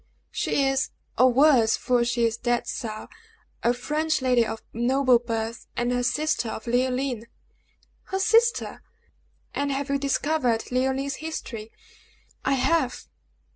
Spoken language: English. "She is, or was (for she is dead now) a French lady, of noble birth, and the sister of Leoline!" "Her sister! And have you discovered Leoline's history?" "I have."